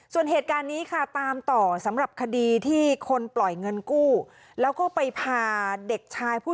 ส่วนเหตุการณ์นี้ค่ะตามต่อสำหรับคดีที่คนปล่อยเงินกู้แล้วก็ไปพาเด็กชายผู้